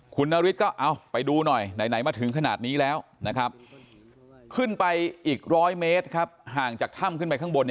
คุณนฤทธิก็เอาไปดูหน่อยไหนมาถึงขนาดนี้แล้วนะครับขึ้นไปอีก๑๐๐เมตรครับห่างจากถ้ำขึ้นไปข้างบน